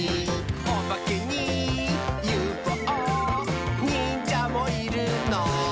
「オバケにＵＦＯにんじゃもいるの？」